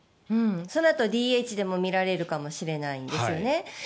それだとＤＨでも見られるかもしれないんですよね。